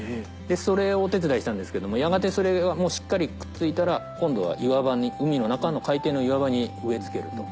それをお手伝いしたんですけれどもやがてそれがしっかりくっついたら今度は海の中の海底の岩場に植え付けると。